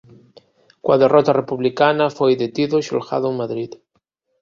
Coa derrota republicana foi detido e xulgado en Madrid.